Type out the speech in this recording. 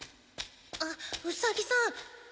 あっウサギさん。